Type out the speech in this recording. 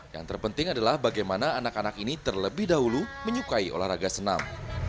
yang terpenting adalah bagaimana anak anak ini terlebih dahulu menyukai olahraga senam